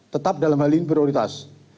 tetap dalam hal ini prioritas